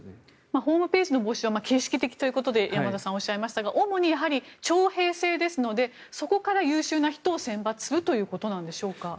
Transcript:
ホームページの募集は形式的ということで主に徴兵制ですのでそこから優秀な人を選抜するということなんでしょうか？